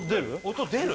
音出る？